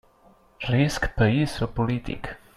Risc país o polític.